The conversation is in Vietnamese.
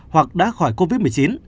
hoặc đã khỏi covid một mươi chín